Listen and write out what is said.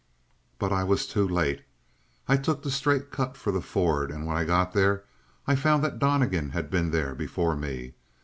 "But I was too late. I took the straight cut for the ford, and when I got there I found that Donnegan had been there before me.